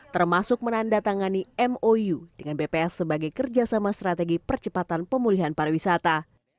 termasuk menandatangani mou dengan bps sebagai kerjasama strategi percepatan pemulihan pariwisata